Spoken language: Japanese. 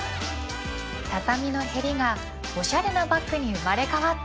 畳のへりがおしゃれなバッグに生まれ変わった